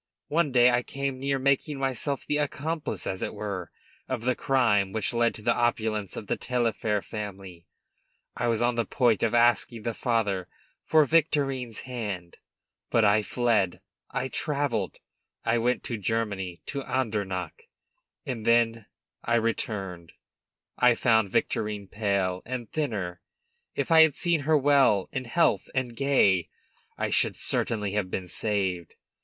One day I came near making myself the accomplice, as it were, of the crime which led to the opulence of the Taillefer family. I was on the point of asking the father for Victorine's hand. But I fled; I travelled; I went to Germany, to Andernach; and then I returned! I found Victorine pale, and thinner; if I had seen her well in health and gay, I should certainly have been saved.